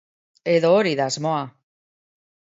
Edo hori da asmoa.